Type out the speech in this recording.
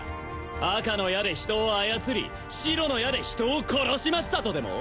赤の矢で人を操り白の矢で人を殺しましたとでも！？